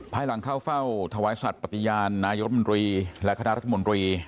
ภายหลังเข้าเฝ้าถวายสัตว์ปฏิญาณนายรัฐมนตรีและคณะรัฐมนตรี